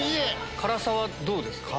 辛さはどうですか？